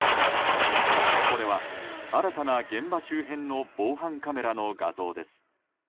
これは新たな現場周辺の防犯カメラの画像です。